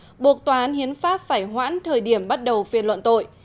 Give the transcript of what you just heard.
với động thái này của tòa án hiến pháp phải hoãn thời điểm bắt đầu phiên luận tội